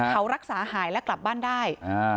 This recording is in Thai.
เขารักษาหายและกลับบ้านได้